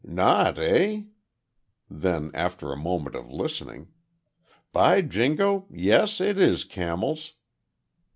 "Not, eh?" Then, after a moment of listening "By Jingo, yes it is camels."